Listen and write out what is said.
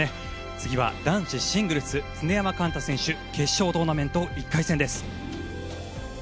次は男子シングルス常山幹太選手、決勝トーナメント１回戦です。